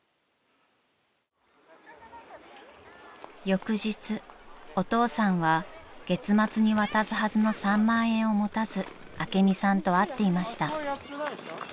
［翌日お父さんは月末に渡すはずの３万円を持たず朱美さんと会っていました］